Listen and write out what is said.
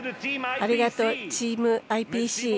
ありがとう、チームＩＰＣ。